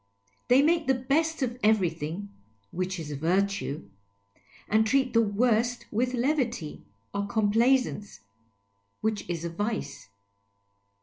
.. They make the best of everything (whieh is a virtue) — ^and treat the worst with levity or complaisance (which is a vice)."